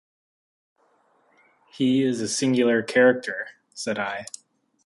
"He is a singular character," said I.